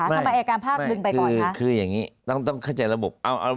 ทำไมอายการภาคดึงไปก่อนคะคืออย่างนี้ต้องต้องเข้าใจระบบ